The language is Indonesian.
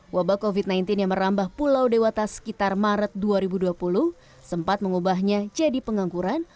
wabah covid sembilan belas yang merambah pulau dewata sekitar maret dua ribu dua puluh sempat mengubahnya jadi pengangguran